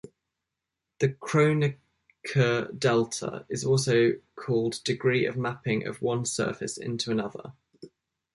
The Kronecker delta is also called degree of mapping of one surface into another.